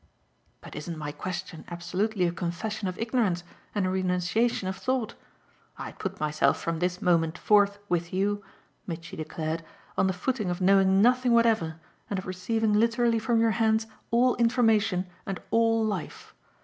"But isn't my question absolutely a confession of ignorance and a renunciation of thought? I put myself from this moment forth with you," Mitchy declared, "on the footing of knowing nothing whatever and of receiving literally from your hands all information and all life.